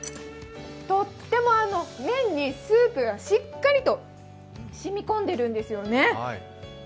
とっても麺にスープがしっかりとしみ込んでいるんですよね。